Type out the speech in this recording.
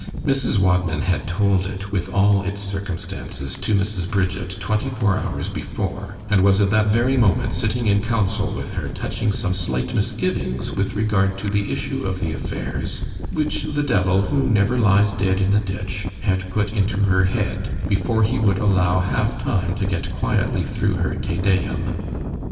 —— Mrs. Wadman had told it, with all its circumstances, to Mrs. Bridget twenty four hours before; and was at that very moment sitting in council with her, touching some slight misgivings with regard to the issue of the affairs, which the Devil, who never lies dead in a ditch, had put into her head—before he would allow half time, to get quietly through her _Te Deum.